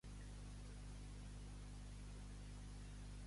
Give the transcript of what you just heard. "Molt agraït!", va afegir Sol mi do.